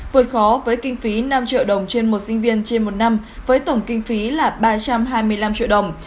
vượt khó với kinh phí năm triệu đồng trên một sinh viên trên một năm với tổng kinh phí là ba trăm hai mươi năm triệu đồng